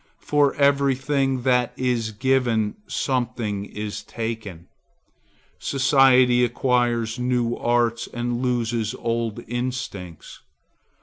For every thing that is given something is taken. Society acquires new arts and loses old instincts.